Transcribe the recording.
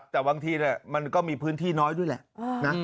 แต่บางทีมันก็มีพื้นที่น้อยด้วยแหละนะ